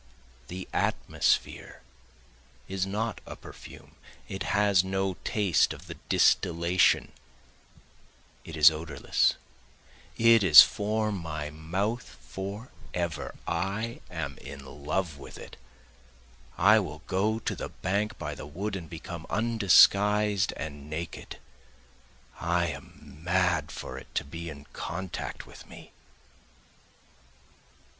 The atmosphere is not a perfume, it has no taste of the distillation, it is odorless, It is for my mouth forever, I am in love with it, I will go to the bank by the wood and become undisguised and naked, I am mad for it to be in contact with me.